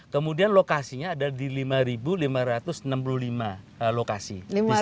kemudian lokasinya ada di lima lima ratus enam puluh lima lokasi